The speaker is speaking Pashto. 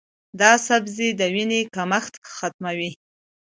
دا سبزی د وینې کمښت ختموي.